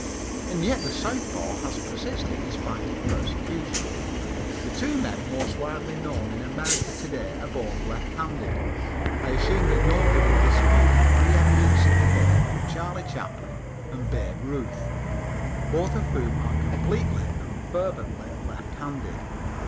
And yet the southpaw has persisted in spite of persecution. The two men most widely known in America to day are both lefthanded. I assume that nobody will dispute the preëminence in fame of Charlie Chaplin and Babe Ruth, both of whom are completely and fervently lefthanded.